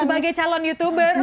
sebagai calon youtuber